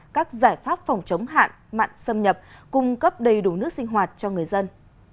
các giải pháp phòng chống hạn mặn xâm nhập cung cấp đầy đủ nước sinh hoạt cho người dân